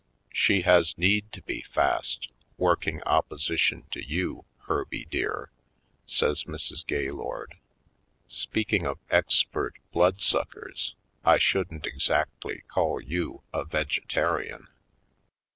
"She has need to be fast, working opposi tion to you, Herby, dear," says Mrs. Gay lord. "Speaking of expert blood suckers, I shouldn't exactly call you a vegetarian."